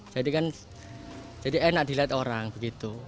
jadi kan jadi enak dilihat orang begitu